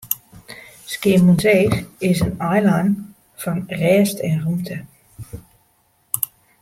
Skiermûntseach is in eilân fan rêst en rûmte.